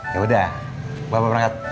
yaudah bapak berangkat